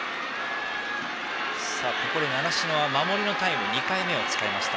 習志野は守りのタイム２回目を使いました。